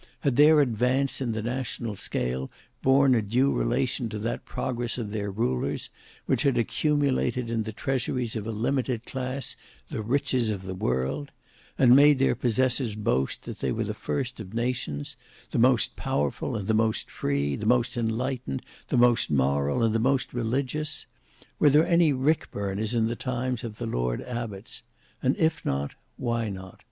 Had their advance in the national scale borne a due relation to that progress of their rulers, which had accumulated in the treasuries of a limited class the riches of the world; and made their possessors boast that they were the first of nations; the most powerful and the most free, the most enlightened, the most moral, and the most religious? Were there any rick burners in the times of the lord abbots? And if not, why not?